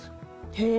へえ。